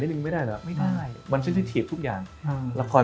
ปีแล้วเนี่ยต้องเล่าละคร